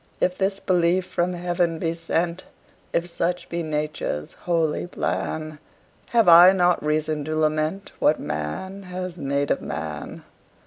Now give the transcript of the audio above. If this belief from heaven be sent, If such be Nature's holy plan, Have I not reason to lament What man has made of man?